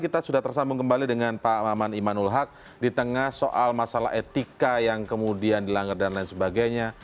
kita sudah tersambung kembali dengan pak maman imanul haq di tengah soal masalah etika yang kemudian dilanggar dan lain sebagainya